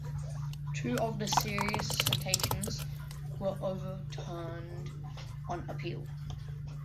Two of the "serious" citations were overturned on appeal.